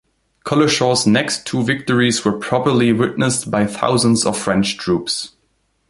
Collishaw's next two victories were properly witnessed by thousands of French troops.